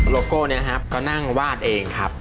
โก้เนี่ยครับก็นั่งวาดเองครับ